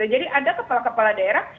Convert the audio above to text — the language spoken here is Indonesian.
jadi ada kepala kepala daerah